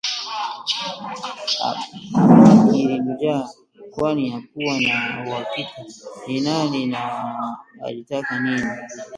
Hamaki ilimjaa kwani hakuwa na uhakika ni nani na alitaka nini